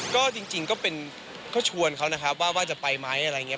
ก็จริงก็ชวนเขาว่าจะไปไหมอะไรอย่างนี้